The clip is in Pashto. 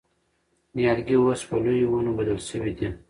نیالګي اوس په لویو ونو بدل شوي دي.